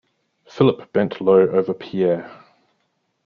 Philip bent low over Pierre.